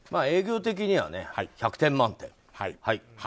営業的には１００点満点。